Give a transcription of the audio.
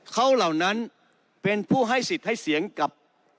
เขาเหล่านั้นเป็นผู้ให้สิทธิ์ให้เสียงกับ